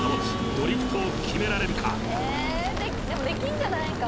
ドリフトを決められるか？